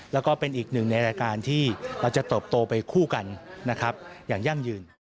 แล้วก็เป็นอีกหนึ่งในรายการที่เราจะเติบโตไปคู่กันนะครับอย่างยั่งยืน